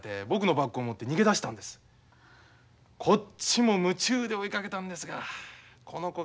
こっちも夢中で追いかけたんですがこの子がまた速くてね。